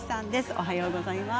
おはようございます。